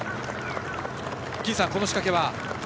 金さん、この仕掛けは？